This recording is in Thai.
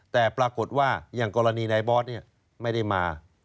แต่ปรากฏว่าอย่างกรณีนายบอสไม่ได้มา